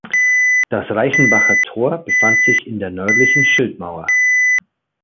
Das Reichenbacher Tor befand sich in der nördlichen Schildmauer.